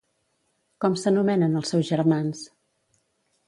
Com s'anomenen els seus germans?